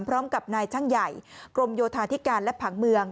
พร้อมกับนายช่างใหญ่กรมโยธาธิการและผังเมือง